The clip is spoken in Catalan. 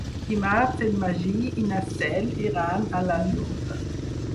Dimarts en Magí i na Cel iran a La Llosa.